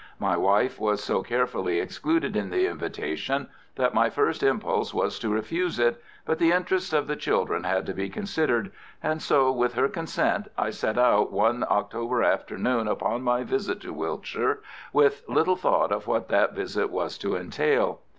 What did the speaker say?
My wife was so carefully excluded in the invitation that my first impulse was to refuse it, but the interests of the children had to be considered, and so, with her consent, I set out one October afternoon upon my visit to Wiltshire, with little thought of what that visit was to entail.